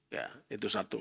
ya itu satu